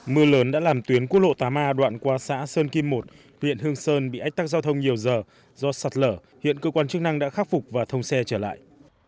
mưa lớn đã làm tuyến quốc lộ tám a đoạn qua xã sơn kim một huyện hương sơn bị ách tắc giao thông nhiều giờ do sạt lở hiện cơ quan chức năng đã khắc phục và thông xe trở lại